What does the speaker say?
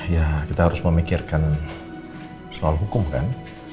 ya kita harus memikirkan soal hukum kan